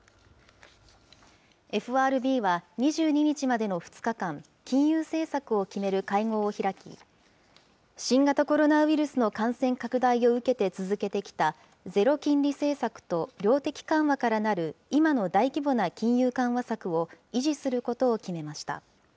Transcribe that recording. ＦＲＢは２２日までの２日間、金融政策を決める会合を開き、新型コロナウイルスの感染拡大を受けて続けてきたゼロ金利政策と量的緩和からなる今の大規模な金融緩和策を維持することを決めました。